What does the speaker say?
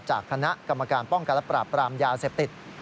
จากคณะกรรมการป้องกันและปราบปรามยาเสพติด